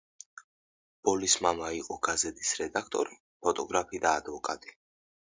ბოლის მამა იყო გაზეთის რედაქტორი, ფოტოგრაფი და ადვოკატი.